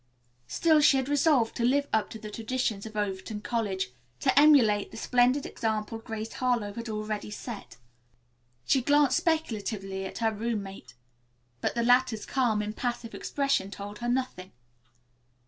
Still she had resolved to live up to the traditions of Overton College, to emulate the splendid example Grace Harlowe had already set. She glanced speculatively at her roommate, but the latter's calm, impassive expression told her nothing.